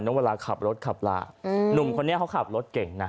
เวลาขับรถขับลาหนุ่มคนนี้เขาขับรถเก่งนะ